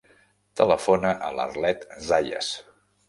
Telefona a l'Arlet Zayas.